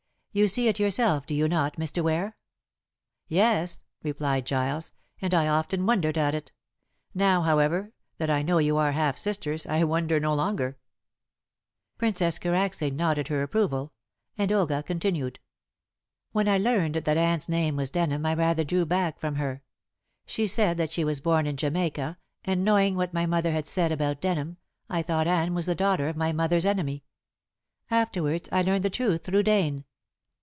You see it yourself, do you not, Mr. Ware?" "Yes," replied Giles, "and I often wondered at it. Now, however, that I know you are half sisters, I wonder no longer." Princess Karacsay nodded her approval, and Olga continued. "When I learned that Anne's name was Denham I rather drew back from her. She said that she was born in Jamaica, and, knowing what my mother had said about Denham, I thought Anne was the daughter of my mother's enemy. Afterwards I learned the truth through Dane."